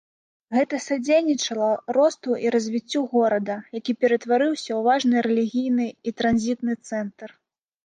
Гэта садзейнічала росту і развіццю горада, які ператварыўся ў важны рэлігійны і транзітны цэнтр.